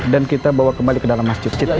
dan kita bawa kembali ke dalam masjid